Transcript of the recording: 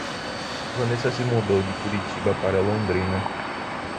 Vanessa se mudou de Curitiba para Londrina.